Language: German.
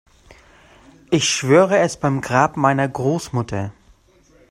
Ich schwöre es beim Grab meiner Großmutter.